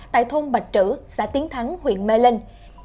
tại thôn bạch trữ xã tiến thắng huyện mê linh